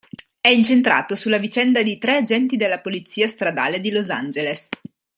È incentrato sulle vicende di tre agenti della polizia stradale di Los Angeles.